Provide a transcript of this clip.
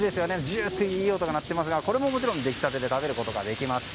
ジューっといい音が鳴っていますがこれももちろん出来たてで食べることができます。